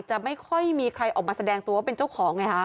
ไม่ค่อยมีใครออกมาแสดงตัวว่าเป็นเจ้าของไงฮะ